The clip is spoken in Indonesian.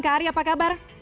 kak ari apa kabar